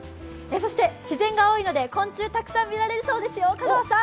そして自然が多いので、昆虫たくさん見られるそうですよ、香川さん。